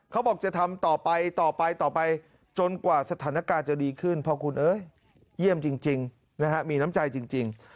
เขาบอกจะทำต่อไปต่อไปต่อไปจนกว่าสถานการณ์จะดีขึ้นเพราะคุณเอ้ยเยี่ยมจริงนะฮะมีน้ำใจจริง